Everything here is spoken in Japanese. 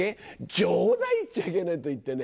「冗談言っちゃいけねえ」と言ってね